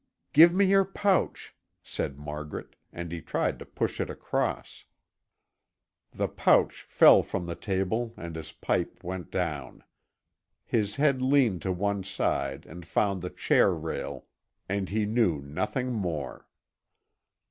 "Give me your pouch," said Margaret and he tried to push it across. The pouch fell from the table and his pipe went down. His head leaned to one side and found the chair rail, and he knew nothing more.